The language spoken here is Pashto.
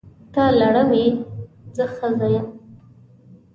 ته لړم یې! زه ښځه یم.